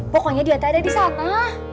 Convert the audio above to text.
pokoknya dia tak ada di sana